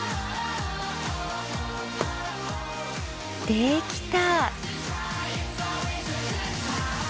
できた！